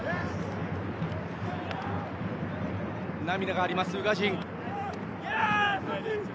涙があります、宇賀神。